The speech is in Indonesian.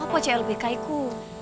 apa clpk itu